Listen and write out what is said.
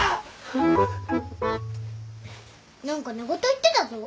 何か寝言言ってたぞ。